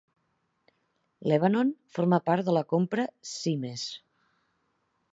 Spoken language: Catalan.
Lebanon forma part de la Compra Symmes.